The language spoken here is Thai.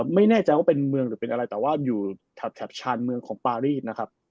ไม่แน่ใจว่าเป็นเมืองหรือเป็นอะไรแต่ว่าอยู่แถบชานเมืองของปารีสนะครับ